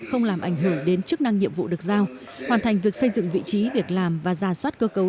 không làm ảnh hưởng đến chức năng nhiệm vụ được giao hoàn thành việc xây dựng vị trí việc làm và giả soát cơ cấu